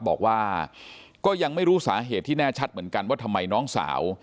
บอกว่าก็ยังไม่รู้สาเหตุที่แน่ชัดเหมือนกันว่าทำไมน้องสาว